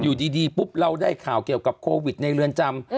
อยู่ดีปุ๊บเราได้ข่าวเกี่ยวกับโควิดในเรือนจำ